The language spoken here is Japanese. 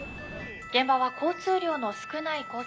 現場は交通量の少ない交差点で。